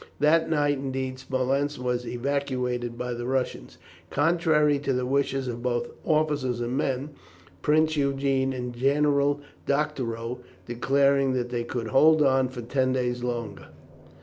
That night, indeed, Smolensk was evacuated by the Russians, contrary to the wishes of both officers and men, Prince Eugene and General Doctorow declaring that they could hold on for ten days longer.